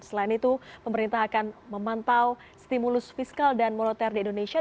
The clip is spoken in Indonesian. selain itu pemerintah akan memantau stimulus fiskal dan moneter di indonesia